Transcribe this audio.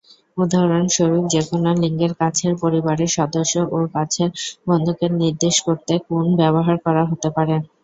উদাহরণস্বরূপ, যেকোন লিঙ্গের কাছের পরিবারের সদস্য ও কাছের বন্ধুকে নির্দেশ করতে "-কুন" ব্যবহার করা হতে পারে।